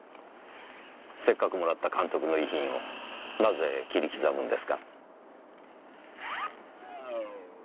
せっかくもらった監督の遺品をなぜ切り刻むのですか？